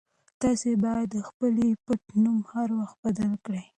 تاسي باید خپل پټنوم هر وخت بدل کړئ.